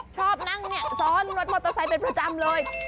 ชอบนั่งเนี่ยซ้อนรถมอเตอร์ไซค์เป็นประจำเลย